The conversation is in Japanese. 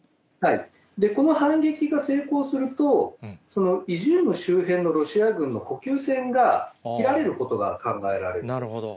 この反撃が成功すると、イジューム周辺のロシア軍の補給線が切られることが考えられる。